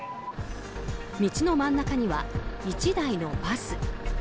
道の真ん中には１台のバス。